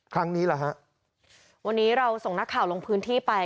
ครั้งนี้แหละฮะวันนี้เราส่งนักข่าวลงพื้นที่ไป